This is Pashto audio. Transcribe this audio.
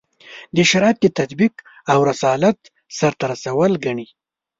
د شریعت تطبیق او رسالت سرته رسول ګڼي.